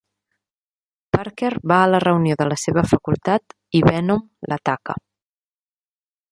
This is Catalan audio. Parker va a la reunió de la seva facultat i Venom l'ataca.